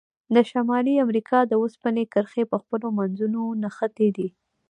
د شمالي امریکا د اوسپنې کرښې په خپلو منځونو نښتي دي.